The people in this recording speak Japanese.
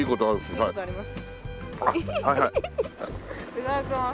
いただきます。